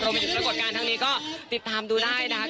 เรามีประกอบการณ์ทางนี้ก็ติดตามดูได้นะครับ